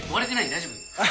大丈夫？